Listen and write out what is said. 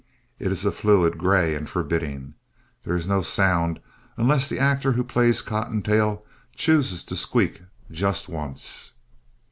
It is a fluid gray and forbidding. There is no sound unless the actor who plays Cottontail chooses to squeak just once.